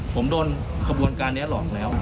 ผมโดนขบวนการนี้หลอกแล้ว